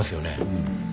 うん。